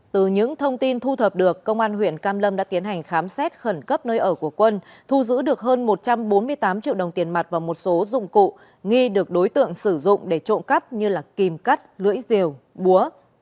từ những thông tin thu thập được công an huyện cam lâm đã tiến hành khám xét khẩn cấp nơi ở của quân thu giữ được hơn một trăm bốn mươi tám triệu đồng tiền mặt và một số dụng cụ nghi được đối tượng sử dụng để trộm cắp như kim cắt lưỡi rìu búa